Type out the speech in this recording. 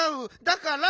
だから。